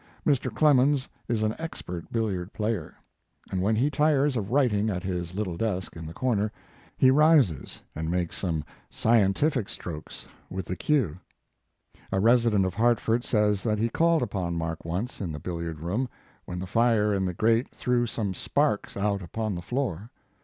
Mr. Clemens is an expert billiard player, and when he tires of writing at his little desk in the corner, he rises and makes some scientific strokes with the cue. A resi dent of Hartford says that he called upon Mark once in the billiard room, when the fire in the grate threw some sparks out upon the floor.